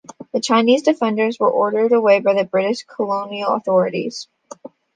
The Chinese defenders were ordered away by the British colonial authorities.